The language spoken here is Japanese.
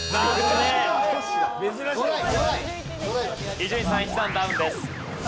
伊集院さん１段ダウンです。